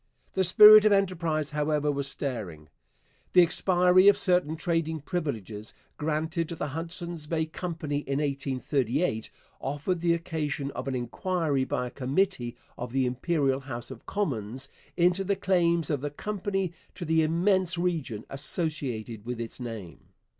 The spirit of enterprise, however, was stirring. The expiry of certain trading privileges granted to the Hudson's Bay Company in 1838 offered the occasion for an inquiry by a committee of the Imperial House of Commons into the claims of the company to the immense region associated with its name.